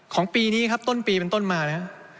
ของปีนี้ครับต้นปีเป็นต้นมานะครับ